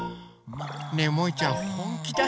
ねえもいちゃんほんきだして！